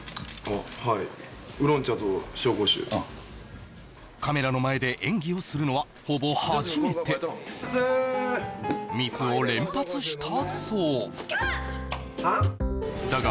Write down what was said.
はいウーロン茶と紹興酒うんカメラの前で演技をするのはほぼ初めてミスを連発したそうチカン！